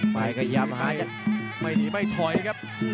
พลังพยายามจะไม่หนีไม่ถอยครับ